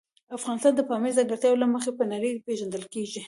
افغانستان د پامیر د ځانګړتیاوو له مخې په نړۍ پېژندل کېږي.